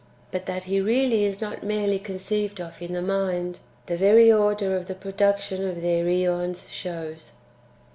But that he really is not merely conceived of in the mind, the very order of the production of their (iEons) shows.